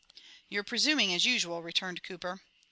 ] "You're presuming, as usual," returned Cooper.